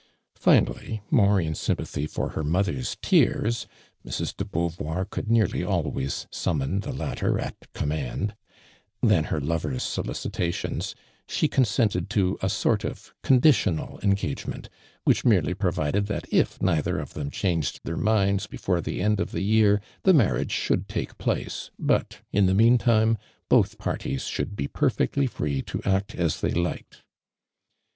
Finally, more in sympathy for her mother"s tears (Mrs. de Beauvoir could nearly always summon the latter at com mand) than her lovers solicitations, she consented to a sort of conditional engage ment, which merely provided that if neither of them changed their minds before the end of the year, the marriage should take place, but, in the meantime, both i)artics should be perfectly i'ree to act as they liked.